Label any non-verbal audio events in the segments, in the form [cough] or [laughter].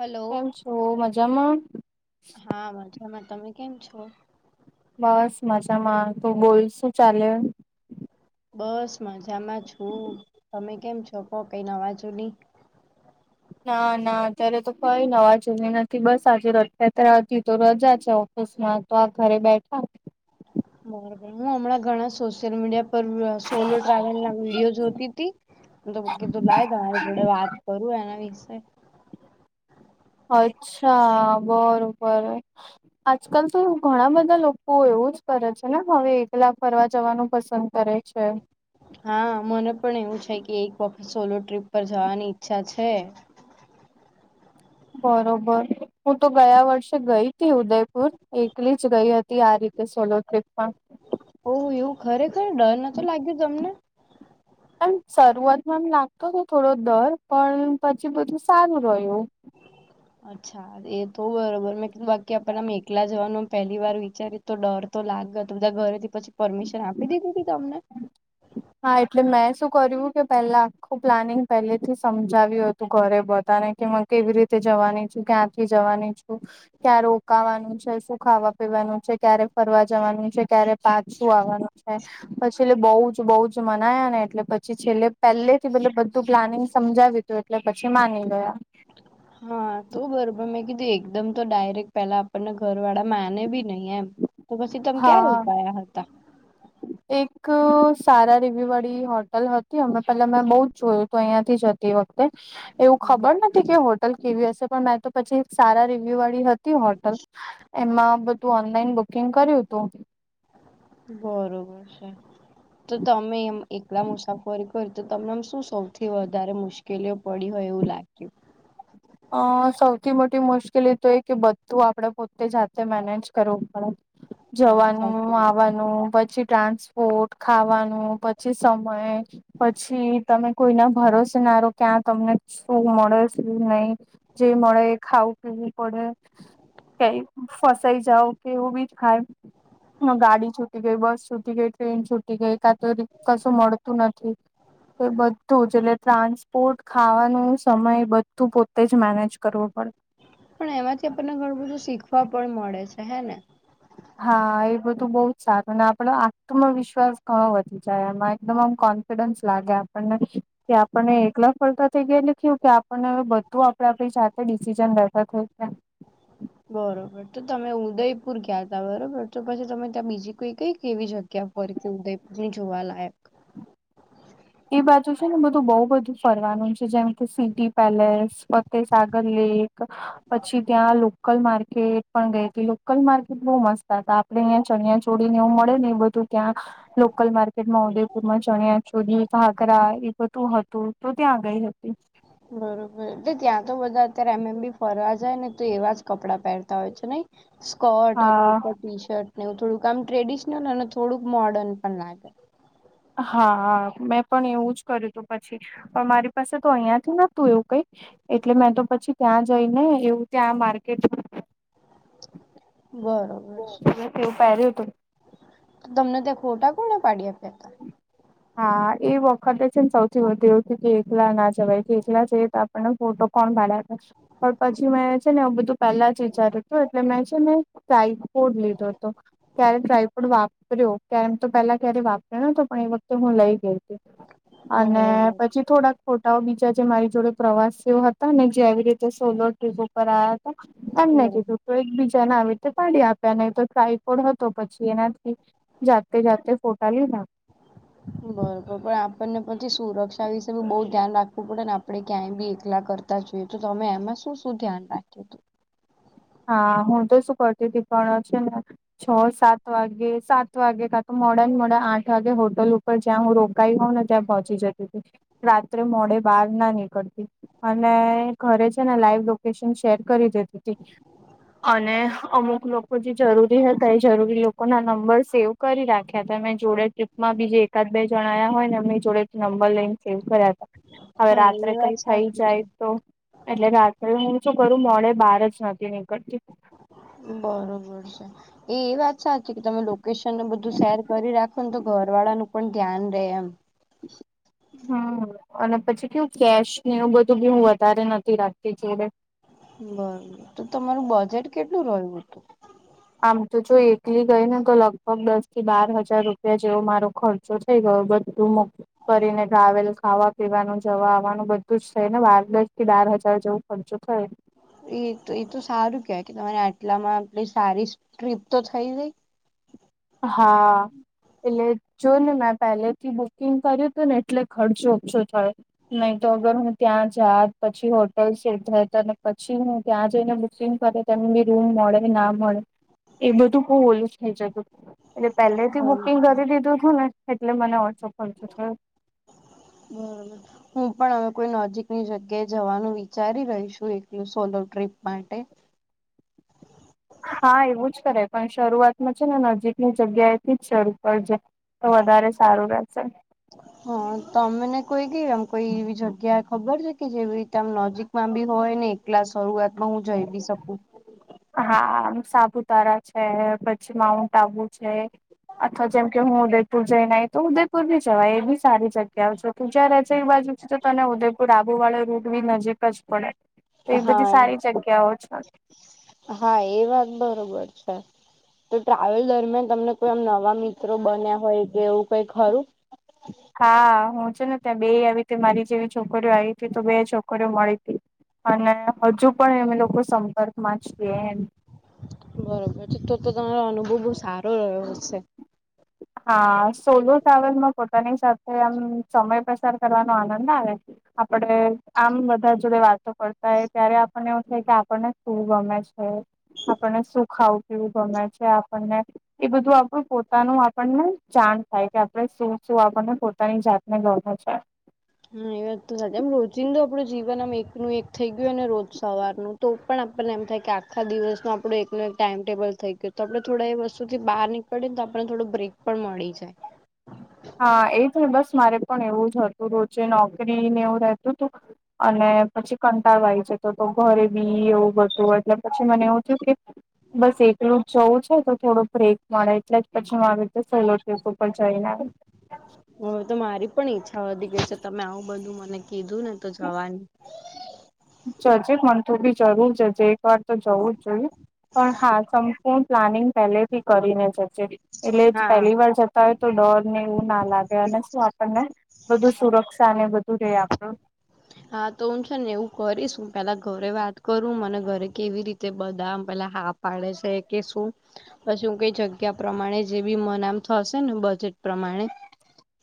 Hello કેમ છો મજામાં હા મજામાં તમે કેમ છો બસ મજામાં તુ બોલ શું ચાલે બસ મજામાં છું તમે કેમ છો કો કઈ નવા જૂની ના ના અત્યારે તો કઈ નવાજુની નથી બસ આજે રથયાત્રા હતી તો રજા છે [unintelligible] માં તો આ ઘરે બેઠા બરોબર હું હમણાં ઘણા સોશિયલ મીડિયા પર સોલો ટ્રાવેલ ના વિડીયોઝ જોતી હતી તો કીધું લાય તમારી જોડે વાત કરું એના વિશે અચ્છા બરોબર આજકાલ તો ઘણા બધા લોકો એવું જ કરે છે ને હવે એકલાાખ ફરવા જવાનું પસંદ કરે છે હા મને પણ એવું છે કે એક વખત સોલો ટ્રીપ પર જવાની ઈચ્છા છે બરોબર હું તો ગયા વર્ષે ગઈ હતી ઉદયપુર એકલી જ ગઈ હતી આ રીતે સોલો ટ્રીપમાં ઓ એવું ખરેખર ડર નતો લાગ્યો તમને આમ શરૂઆતમાં એમ લાગતો હતો થોડો ડર પણ પછી બધું સારું રહ્યું અચ્છા એ તો બરોબર મેં કીધું બાકી આપમ એકલા જવાનું પેહેલી વાર વિચારી તો ડર તો લાગે બધા ઘરે થી પછી પરમિશન આપી દીધી તી તમને હા એટલે મેં શું કર્યું કે પહેલા આખું પ્લાનિંગ પહેલેથી સમજાવ્યું હતું ઘરે બધાને કેમાં કેવી રીતે જવાની છું ક્યાંથી જવાની છું ક્યાં રોકાવાનું છે શું ખાવા પીવાનું છે ક્યારે ફરવા જવાનું છે ક્યારે પાછું આવવાનું છે પછી એલે બોઉ જ બોઉ જ મનાયા ને એટલે પછી છેલ્લે પેહેલે થી બધું પ્લાનિંગ સમજાવ્યું તું એટલે પછી માની ગયા હા તો બરોબર મેં કીધી એકદમ તો ડાયરેક્ટ પેલા આપણને ઘર વાડા માને બી નહી એમ તો પછી તમ ક્યાંર હા ઉપાાયા હત એક સારા રીવ્યુ વાડી હોટલ હતી અમે પેલા મેં બોજ જોયું તો અયાથી જ જ તે વખતે એવું ખબર ન થી કેવુ હોટલ કેવી હશે પણ મેં તો પછી સારા રિવ્યુ વાળી હતી હોટલ. એમાં બધું ઓનલાઈન બુકિંગ કર્યું ઉતું. હમ્મ બરોબર છે. તો તમે એમ એકલા મુસાફરી કરી તો તમનમ શું સૌથી વધારે મુશ કેલેવ પડી હોય એવું લાગ્યું. અ-અ-અ સૌથી મોટી મુશ્કેલી તો એ કે બધું આપડે પોતે જાતે મેનેજ કરવું પરજ. હા સાચી જવાનું વાત આવાનું પછી ટ્રાન્સ ઉટ ખાવાનું પછી સમય પછી તમે કોઈના ભારોસે નારો ક્યાં તમને શું મળે શું નઈ? જે મળે એ ખાવું પીવલી પડે. તેઈ ફસાઈ જાવ તેવું બીજ ખામ. ત્ય ગાડી છૂટી ગેઈ બસ છૂટી ગેઈ ટ્રેન છૂટી ગેઈ કાં તો કશું મળતું નથી. એ બધું જ એટલે ટ્રાન્સપોર્ટ ખાવાનું સમય બધું પોત તે જ મેનેજ કરવો પડ પણ એમાંથી આપનૈ ઘણું બધું શીખવા પણ મળે છે હે ને. હા એ બધું બો જ સાર આપને આપણને આત્મવિશ્વાસ ઘણો વધી જા માં એકદમ આમ કોન તો ડંચ લાગે આપણને કે આપણને એકલા ફરતા થેઈ ગયા એટલે કયું કે આપણને અવ બધું આપણે આપણી જાતે ડિસિઝન લેતા થેય ગ્યા. બરોબર તો તમે ઉદયપુર ગ્યાતા બરોબર તો પછી તમે ત્યાં બીજી કોઈ કઈ કેવી જગ્યા ફરી? ઉદય જીની જોવાલાયક. એ બાજુ છે ને બધું બોવ બધું ફરવાનું છે જેમ કે સિટી પેલેસ પતેસાગર લીક. પછી ત્યાં લોકલ માર્કેટ પણ ગઈ તી લોકલ માર્કેટ બો મસ્ત હતા. ડહીંયા ચણિયા ચોડી ને એવું મડે ને એવુ બધું ત્યાં લોકલ માર્કેટમાં ઉદયપુર માં ચણીયા ચોડી તાઘરા એ બધું હતું તું ત્યાં ગઈ હતી. હમ્મ હમ્મ તે ત્યાં તો બધા અત્યારે એમ એમ બી ફરવા જાય ને તો એવા જ કપડાં પેરતા ઓય છે નઈ. સ્કર્ટ અને ઉપર હા ક્વિશર્ટ. ને એવું થોડુંક આમ ટ્રેડિશનલ અને થોડુંક મોર્ડર્ન પણ લાગે. હા હા મેં પણ એવું જ કર્યું તું પછી પણ મારી પાસે તો અઈયાંથી નતું એવું કઈ. એટલે મેં તો પછી ત્યાં જઈને એવું ત્યાં માર્કેટ બરોબર છે. પહેર્યું હતું તમને ત્યાં ખોટા કોણે પાડી આપ્યા તા? હા એ વખતે છે ન સૌથી વધુ એવું થયું કે એકલા ના જવાય કે એકલા જઈએ તો આ પણ નવ પોટો કોણ પાડાવે પછ પણ પછી મેં છે ને એવ બધું પેલ્લા જ વિચાર્યું તું એટલે મેં છે ને ટ્રાઈપોડ લીધો તો. ક્યારે ડ્રાયફ્રુડ વાપર્યો ક્યારે તો પેલા ક્યારે વાપર્યો તો પણ એ બધ તે હું લઈ ગેઈ તી આને બરોબર છે. પછી થોડાક ફોટાઓ બીચાજે મારી જોડે પ્રવાસીઓ હતા ને જે આવી રીતે સોલો ટ્રીપો પરા તન અંને બરોબર કીધું. તો એકબીજાને આવી રીતે પાડી આપ્યા ને તો ટ્રાયકોડ હતો પછી એનાથી જાતે જાતે પોટા લીધાં. બરોબ પણ આપણને પછી સુરક્ષા વિશે બી બો ધ્યાન રાખ પુપોતાના આપડે ક્યાંય બી એખલા કરતા જોઈ તો તમે એમાં શું શું ધ્યાન રાખ્યું તું? હાઆ-આ-આ હું તો શું કરતી તી પણ છે ને છ સાત વાગ્યે સાત વાગે કા તો મોડામ મોડા આઠ વાગ્યે હોટલ ઉપ પણ જ્યાં હું રોકાઈ હોઉં ને ત્યાં પોચી જતી તી રાત્રે મોડે બાર ના નીકડતી. અને ઘરે છે ને લાઈવ લોકેશન શેર કરી દીધી હતી. અને અમુક લોકો જે જરૂરી હતા એ જરૂરી લોકો ના નંબર સેવ કરી રાખ્યા હતા મેં જોડે. ટ્રુપમાં બીજે એકાદ બે જણ આ્યા હોય ને એમને જોડે નંબર લઈને સેવ કર્યા. હતા. હમ. હવે રાત્રે કઈ થઈ જાય તો. એટલે રાત્રે હું શું કરું મોડે બાર જ નથી નીકળતી. બરોબર છે એ વાત. સાચી કે તમે લોકેશન ન બધું શેર કરી રાખો ને તો ઘર વાળાનુંું પણ ધ્યાન રે એમ. હ. હમ અને પછી કેવું કેશ ને એવ બધું બું વધારે નથી રાખતી જોડે. બરોબર તો તમારું બજેટ કેટલું રહ્યું હતું. આમ તો જો એકલી ગઈ ને તો લગભગ દસ થી બાર હજાર રૂપિયા જેવો મારો ખર્ચ. ો થઈ ગયો બધું મો. કરીને ટ્રાવેલ ખાવા પીવાનું જવા આવવાનું બધું જ થઈને બાર દસ કે બાર હજાર જવું. પચો ખ. એ એ તો સારું કેવાય કે તમારે આટલામાંટ સારી ટ્રીપ તો થઈ ગઈ. હા. એટલે જો ને મેં પહેલે થી બુકિંગ કર્યું હતું ને એટલે ખર્ચો ઓછો થયો. નહીં તો અગર હું ત્યાં જા પછી હોટલ સેટ થાય અને પછી હું ત્યાં જઈને બુકિંગ કરે. તમને રૂમ મળે ના મળે એ બધું બહ ઓલું થઈ જતું. એટલે પહેલેથી બરોબર છે બુકિંગ કરી દીધું હતું ને એટલે મને વોટ્સઅપ કરજો થય. હમ. હું પણ અમે કોઈ નજીકની જગ્યાએ જવાનું વિચારી રહીશું એકલું સોલો ટ્રીપ માટે. હા એવું જ કરે પણ શરૂઆતમાં છે ને નજીકની જગ્યાએથી જ શરૂ પ જાય. તો વધારે સારું રહેશે. હ તમેને કોઈ કે આમ કોઈ એ જગ્યા ખબર છે કે જેવી રીતે આમ નજીક. માં બી હોય ને એકલા શરૂઆત માં હું જઈ બી શકું. હા સાપુતારા છે પછી માઉન્ટ આબુ છે. અથવા જેમ કે હું ઉદયપુર જઈને તો ઉદયપુર ી જવાય એ બી સારી જગ્યા. કે છો તું જ્યાં રહેશે એ બાજુ છે તો તને ઉદયપુર આબુવાળા રૂટ બી નજીક જ પડે. તો એ બધી હા સારી જગ્યાઓ છે. હા એ વાત બરોબર છે. તો ટ્રાવેલ દરમિયાન તમને કોઈ આમ નવા મિત્રો બન્યા હોય કે એવું કઈ ખરું. હા હું છું ને ત્યાં બે આવી ત મારી જેવી છોકરીઓ આવી હતી તો બે છોકરીઓ મળી હતી. અને હજુ પણ એમે લોકો સંપર્કમાં જ છ એમ. બરોબર છે તો તો તમારો અનુભવ બહુ સારો રહ્યો હ છે. હા સોલો ટ્રાવેલમાં પોતાની સાથે આમ સમય પસાર કરવાનો આનંદ આવે છે. આપડે આમ બધા જોડે વાતો કરતા હોય ત્યારે મ એવું થ કે આપણને શું ગમે છે. આપણને સુું ખાવું પીવું ગમે છે આપણને એ બધું આપણું. પોતાનું આપણને જાણ થાય કે આપણે શું શું આપણને પોતાની જાતને લોને છે. હા એ વાત તો સાચી આમ રોજીંદો આપડું જીવન આમ એકનું એક થઈ ગયું ને રોજ સવારનું તો પણ. પણ એમ થાય કે આખા દિવસ નો આપડો એક ન એક ટાઈમ ટેબલ થઈ ગયું તો આપડણે થોડા એ વસ્તુથી બહાર નીક પને તો આપણને થોડું બ્રેક પણ મળી જાય. હા એ છે બસ મારે પણ એવું જ હતું રોજે નોકરીને એવું રહેતું હતું. અને પછી કંટાળવાય જતો તો ઘરે બી એવું બધું એટલે પછી મને એવું થયું કે બસ એકલું જવું છે તો થોડું બ્રેક મળે એટલે જ પછી હું આવી રીતે સોલો ટ્રીપ ઉપર જઈને આવી. હવે તો મારી પણ ઈચ્છા વધી ગઈ છે તમે આવું બધું મને કીધું ને તો જવાની જજે મન તો બી જરૂર જજે એક વાર તો જવું જ જોઈયએ પણ હા હું પ્લાનિંગ પેલેથી કરીને જચે એટલે જ હા પેલી વાર જ તા હોય તો ડર ને એવું ના લાગે અને શું આપણને બધું સુરક્ષા ને બધું રેય આપણું હા તો હું સે ને એવું કરીશ હું પેલા ઘરે વાત કરું મને ઘરે કેવી રીત તે બદામ પેલા હા પાડે સે કે શું? પછી હું કઈ જગ્યા પ્રમાણે જે બી મને આમ થશે ને બજેટ પ્રમાણે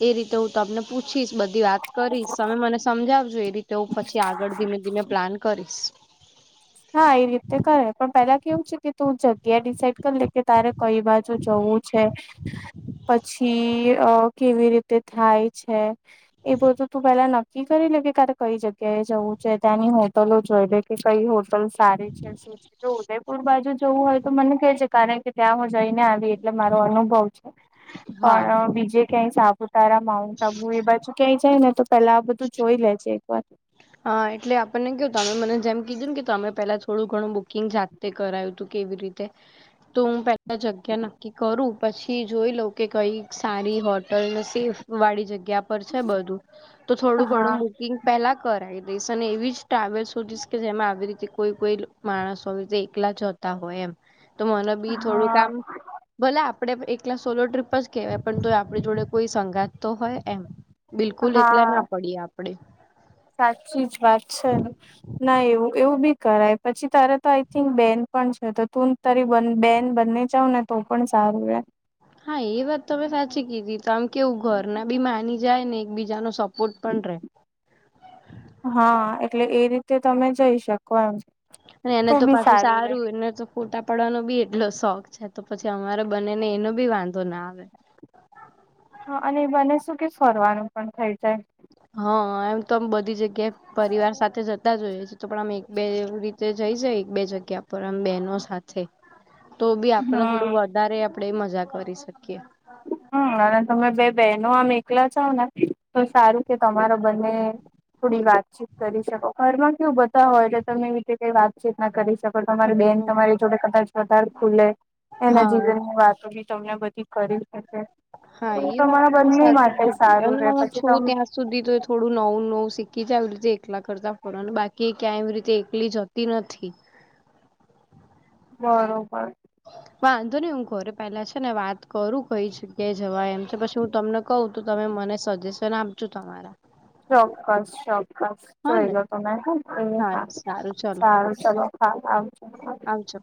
એ રીતે હું તમને પૂછીશ બધી વાત કરીશ સમે મને સમજાવજો એ રીતે હું પછી આગળ ધીમે ધીમે પ્લાન કરી હા એ રીતે કરાય પણ પેલા કેવું છે કે તું જગ્યા ડિસાઇડ કરી લે. કે તારે કઈ બાજુ જવું છે? પછી અ કેવી રીતે થાય છે? એ બધું તું પેલા નક્કી કરી લે કે કારે કઈ જગ્યાએ જવું છે? ત્યાંની હોટલો જોઈ લે કે કઈ હોટ ટલ સારી છે શું છે? તો ઉદયપુર બાજુ જવું હોય તો મને કેજે કારણ કે ત્યાં હું જઈને આવી એટલે મારો અનુભવ છે. હા પણ બીજે ક્યાંય સાપુતારા માઉન્ટ આબુ એ બાજુ ક્યાંય જાય ને તો પેલા આ બધું જોઈ લેજે એક વાર. હા એટલે આપણને કેવું તમે મને જેમ કીધું ને કે તમે પેલા થોડું ઘણું બુકિંગ જા તે કરાયું તું કેવી રીતે તો હું પે જગ્યા નક્કી કરું પછી જોઈ લઉ કે કઈ સારી હોટલ ને સેફ વાળી જગ્યા પર છે બધું તો થોડું હા ઘણુ બુક કિંગ પેલા કરાયી દઈશ અને એવી જ ટ્રાવેસ સોધીશ કે જેમાં આવી રીતે કોઈ કોઈ માણસ હોય જે એકલા જતા હોય એમ તો મને બી થોડુંક હા આમ ભલે આપડે એકલા સોલો ટ્રીપ જ કેવાય પણ તોય આપડી જોડે કોઈ સંગાત તો હોય એમ. બિલકુલ એકલા હા ના પડીએ આપડે. સાચી જ વાત છેને ના એવું એવું બી-' કરાય પછી તારે તો આઈ થિંક બેન પણ છે તો તુંન તારી બં બેન બંને જાઉં ને તો પણ સારું રે. હા એ વાત તમે સાચી કીધી તો આમ કેવું ઘરના બી માની જાય ને એક બીજાનો સપોર્ટ પણ રે. હા એટલે એ રીતે તમે જઈ શકો એમ. અને એને તો પાછું સારું એને તો ફોટા પડવાનો બી એટલો શોખ છે. તો પછી અમારે બને ને એનો બી વાંધો ના આવે. હા અને બને શું કે ફરવાનું પણ થઇ જાય. હ એમ તો આમ બધી જગ્યાએ પરિવાર સાથે જતા જ હોઈએ છે તો પણ આમ એક બે રીતે જઈ જાય એક બે જગ્યા પર આમ બેનો સાથે થે તો બી આપને થોડું હમ વધારે આપડે મજા કરી શકીએ. હા અને તમે બે બેનો આમ એકલા જાઓ ને તો સારું કે તમારા બંને થોડી વાતચીત કરી શકો ઘરમાં કેવું બધા હોય એટે તમે એવી રીતે કઈ વાતચીત ના કરી શકો તમારી બેન હમ તમારી જોડે કદાચ વધારે ખુલે એના હા જીવનની વાતો બી તમને બધી કરી. શકે. હા તો એ વાત તમારા તમે બંને સાચી માટે કીધી સારું અને રે હું પછી છું તમે ત્યાં સુધી તો થોડું નવું નવું શીખી જાવ જે એકલા કરતા ફરવાને બાકી ક્યાં એવી રીતે એકલી જ ત તિનથી. બરોબર. વાંધો નઈ હું ઘરે પેલા છે ને વાત કરું કઈ જગ્યાએ જવાય એમ છે પછી હું તમને. કઉ તું તમે મને સજેશન આપજો તમારા. ચોક્કસ ચોક. બસ હા જોઈ ને લો તમે હું એ હા સારું ચલો સારું ચલો હા આવજો. આવજો